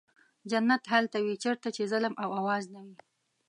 جنت هلته وي چېرته چې ظلم او آزار نه وي.